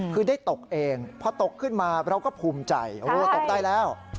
คือได้ตกเองพอตกขึ้นมาเราก็ภูมิใจโอ้ตกได้แล้ว